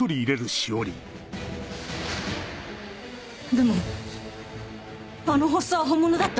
でもあの発作は本物だった。